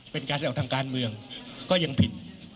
เป็นการแสดงออกทางการเมืองก็ยังผิด